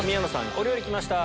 お料理きました。